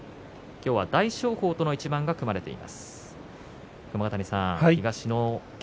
今日は大翔鵬との一番が組まれいています。